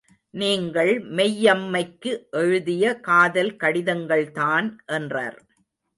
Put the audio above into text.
நீங்கள் மெய்யம்மைக்கு எழுதிய காதல் கடிதங்கள்தான் என்றார்.